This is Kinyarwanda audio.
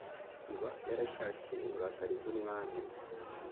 iba yaracyashye uburakari bw'umwami,